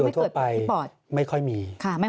โดยทั่วไปไม่ค่อยมี